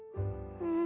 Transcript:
うん。